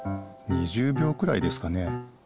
２０びょうくらいですかね？